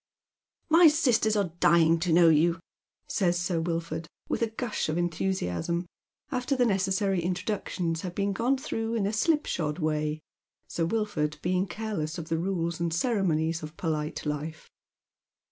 " My sisters are dying to know you," says Sir Wilford, with a gnsh of enthusiasin, after the necessary introductions have been gone through in a slipshod way, Sir Wilford being careless of tho iTiles and ceremonies of polite life.